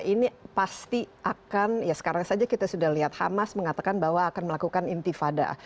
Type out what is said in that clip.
ini pasti akan ya sekarang saja kita sudah lihat hamas mengatakan bahwa akan melakukan intifada